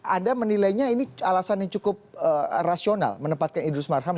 anda menilainya ini alasan yang cukup rasional menempatkan idrus marham